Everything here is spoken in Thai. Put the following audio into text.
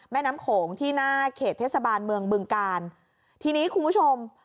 แม่น้ำโขงที่หน้าเขตเทศบาลเมืองบึงกาลทีนี้คุณผู้ชม